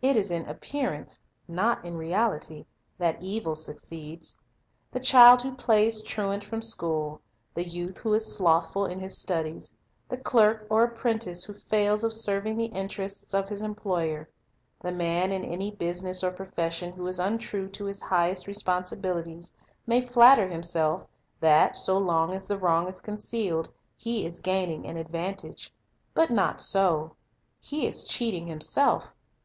It is in appearance, not in reality, that evil succeeds. The child who plays truant from school, the youth who is slothful in his studies, the clerk or apprentice who fails of serving the interests of his employer, the man in any business or profession who Lessons of Life 109 is untrue to his highest responsibilities, may flatter him self that, so long as the wrong is concealed, he is gain ing an advantage. But not so; he is cheating himself.